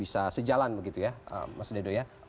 bisa sejalan begitu ya mas dedo ya